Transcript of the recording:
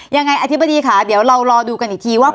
อธิบดีค่ะเดี๋ยวเรารอดูกันอีกทีว่า